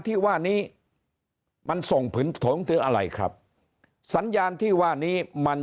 ที่ว่านี้มันส่งผืนถงถึงอะไรครับสัญญาณที่ว่านี้มัน